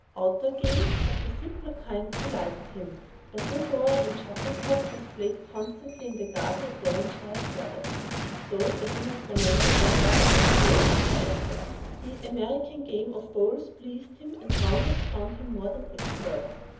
Outdoor games of the simpler kinds delighted him. Battledore and shuttlecock was played constantly in the garden at Devonshire Terrace, though I do not remember my father ever playing it elsewhere. The American game of bowls pleased him, and rounders found him more than expert.